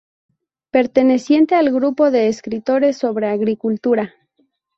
Perteneciente al grupo de escritores sobre agricultura.